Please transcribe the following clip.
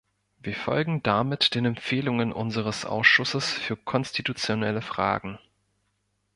Wir folgen damit den Empfehlungen unseres Ausschusses für konstitutionelle Fragen.